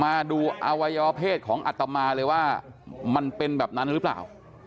มาดูอวัยวเพศของอัตมาเลยว่ามันเป็นแบบนั้นหรือเปล่า